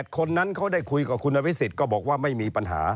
คนนั้นเขาได้คุยกับคุณอภิษฎก็บอกว่าไม่มีปัญหา